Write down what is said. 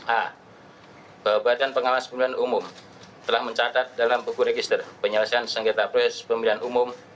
a bahwa badan pengawas pemilihan umum telah mencatat dalam buku register penyelesaian sengketa proses pemilihan umum